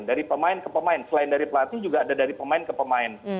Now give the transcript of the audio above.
dari pemain ke pemain selain dari pelatih juga ada dari pemain ke pemain